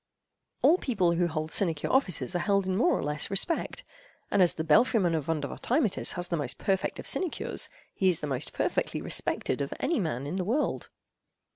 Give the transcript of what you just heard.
All people who hold sinecure offices are held in more or less respect, and as the belfry—man of Vondervotteimittiss has the most perfect of sinecures, he is the most perfectly respected of any man in the world.